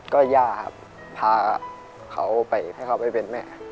ก็ย่าครับพาเขาไปให้เขาไปเป็นแม่